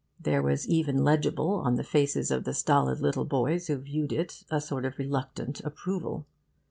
There was even legible on the faces of the stolid little boys who viewed it a sort of reluctant approval.